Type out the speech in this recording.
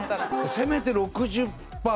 せめて６０パーとか。